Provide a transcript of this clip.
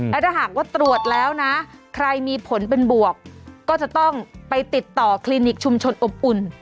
และถ้าหากว่าตรวจแล้วนะใครมีผลเป็นบวกก็จะต้องไปติดต่อคลินิกชุมชนอบอุ่น